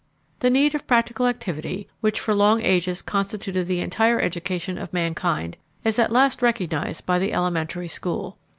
The need of practical activity, which for long ages constituted the entire education of mankind, is at last recognized by the elementary school.